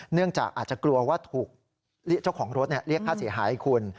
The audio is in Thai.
เนื่องจากอาจจะกลัวว่าถูกเจ้าของรถเรียกค่าเสียหายให้คุณ